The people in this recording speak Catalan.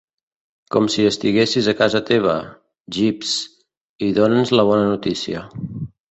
Com si estiguessis a casa teva, Jeeves, i dóna'ns la bona notícia.